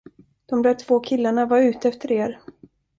De där två killarna var ute efter er.